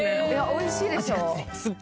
おいしいでしょ？